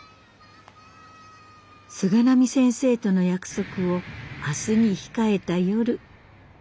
菅波先生との約束を明日に控えた夜。